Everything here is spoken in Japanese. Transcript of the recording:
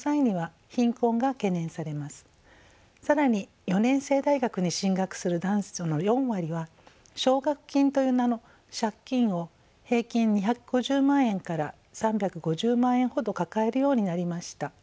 更に４年制大学に進学する男女の４割は奨学金という名の借金を平均２５０万円から３５０万円ほど抱えるようになりました。